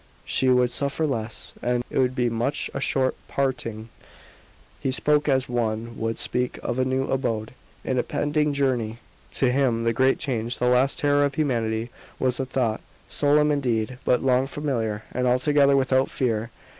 She would suffer less, and it would be such a short parting." He spoke as one would speak of a new abode, an impending journey. To him the great change, the last terror of humanity, was a thought solemn indeed, but long familiar and altogether without fear.